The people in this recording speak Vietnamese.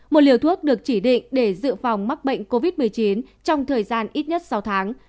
một liều thuốc được chỉ định để dự phòng mắc bệnh covid một mươi chín trong thời gian ít nhất sáu tháng